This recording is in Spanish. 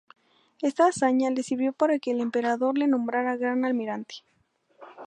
Esta hazaña le sirvió para que el Emperador le nombrara Gran Almirante.